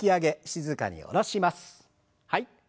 はい。